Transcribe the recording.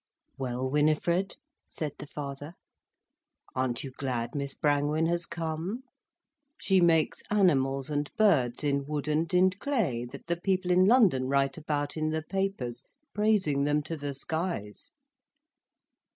"Well, Winifred," said the father, "aren't you glad Miss Brangwen has come? She makes animals and birds in wood and in clay, that the people in London write about in the papers, praising them to the skies."